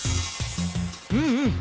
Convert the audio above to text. うんうん！